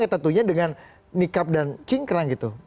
yang tentunya dengan nikab dan cingkrang